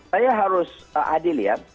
saya harus adil ya